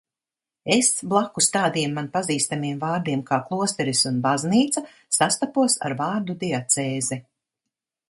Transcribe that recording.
"Es blakus tādiem man pazīstamiem vārdiem kā "klosteris" un "baznīca" sastapos ar vārdu "diacēze"."